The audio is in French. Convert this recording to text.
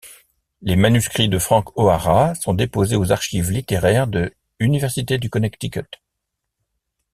Les manuscrits de Frank O'Hara sont déposés aux Archives littéraires de Université du Connecticut.